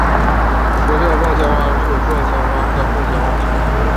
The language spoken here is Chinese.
辐射凤仙花是凤仙花科凤仙花属的植物。